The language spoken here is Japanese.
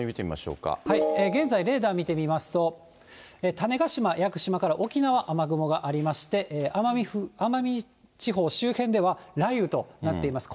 現在、レーダー見てみますと、種子島、屋久島から沖縄、雨雲がありまして、奄美地方周辺では、雷雨となっています。